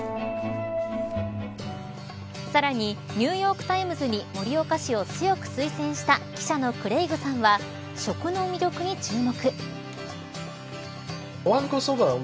さらにニューヨーク・タイムズに盛岡市を強く推薦した記者のクレイグさんは食の魅力に注目。